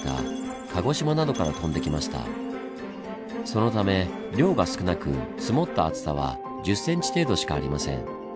そのため量が少なく積もった厚さは１０ｃｍ程度しかありません。